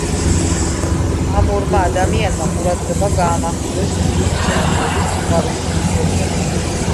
ამ ორმა ადამიანმა ყურადღება გაამახვილეს ბლუმის და მოლის სიყვარულის ისტორიაზე.